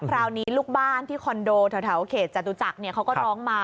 คราวนี้ลูกบ้านที่คอนโดแถวเขตจตุจักรเขาก็ร้องมา